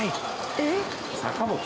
えっ？